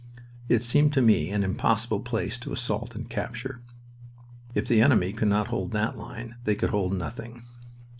It seemed to me an impossible place to assault and capture. If the enemy could not hold that line they could hold nothing.